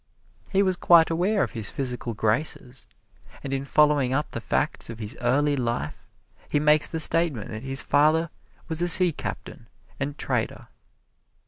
He was quite aware of his physical graces, and in following up the facts of his early life, he makes the statement that his father was a sea captain and trader.